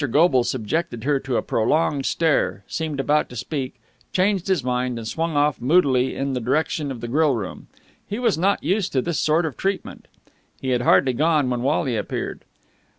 Goble subjected her to a prolonged stare, seemed about to speak, changed his mind, and swung off moodily in the direction of the grill room. He was not used to this sort of treatment. He had hardly gone, when Wally appeared.